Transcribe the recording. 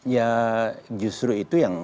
ya justru itu yang